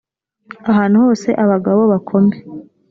ahantu hose abagabo bakome